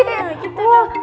nah gitu dong